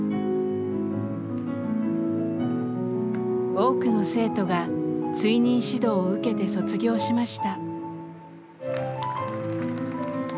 多くの生徒が追認指導を受けて卒業しました。